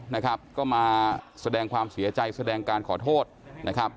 นะครับก็มาแสดงความเสียใจแสดงการขอโทษนะครับ